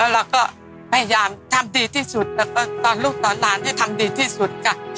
แล้วก็พยายามทำดีที่สุดแล้วก็ตอนลูกตอนร้านที่ทำดีที่สุด